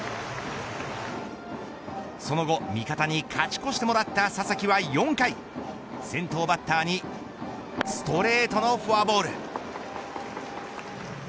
その後、味方に勝ち越してもらった佐々木は４回先頭バッターにストレートのフォアボール。